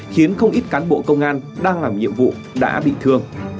khiến không ít cán bộ công an đang làm nhiệm vụ đã bị thương